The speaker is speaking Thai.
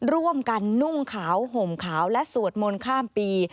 ร่วมกันนุ่งขาวห่มขาวและสวดมนต์ข้ามปี